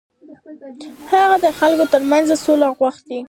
هغه د خلکو تر منځ سوله وغوښته.